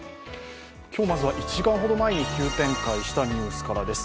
今日まずは１時間ほど前に急展開したニュースからです。